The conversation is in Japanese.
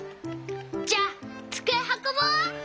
じゃあつくえはこぼう！